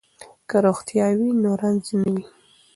که روغتیا وي نو رنځ نه وي.